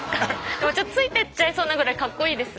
でもちょっとついてっちゃいそうなぐらいかっこいいです。